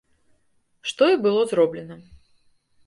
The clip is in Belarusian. Што і было зроблена.